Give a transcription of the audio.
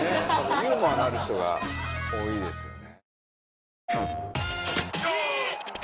ユーモアのある人が多いですよね。